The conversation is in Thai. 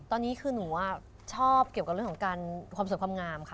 ตอนนี้คือหนูชอบเกี่ยวกับเรื่องของการความสวยความงามค่ะ